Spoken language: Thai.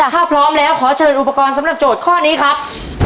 ถ้าพร้อมแล้วขอเชิญอุปกรณ์สำหรับโจทย์ข้อนี้ครับ